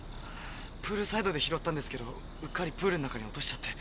プールサイドで拾ったんですけどうっかりプールの中に落としちゃって。